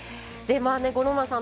五郎丸さん